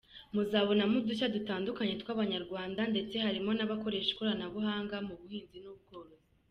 Muzabonamo udushya dutandukanye tw’Abanyarwanda ndetse harimo n’abakoresha ikoranabuhanga mu buhinzi n’ubworozi.